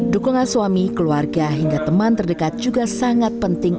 dukungan suami keluarga hingga teman terdekat juga sangat penting